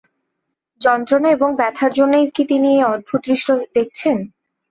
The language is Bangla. যন্ত্রণা এবং ব্যথার জন্যেই কি তিনি এই অদ্ভুত দৃশ্য দেখছেন?